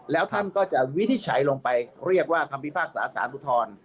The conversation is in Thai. แล้วท่านก็จะวินิจฉัยลงไปเรียกว่าคำพิพากษาสารอุทธรณ์